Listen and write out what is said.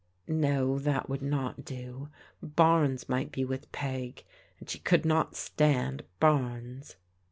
No, that would not do ; Barnes might be with Peg, and she could not stand Barnes.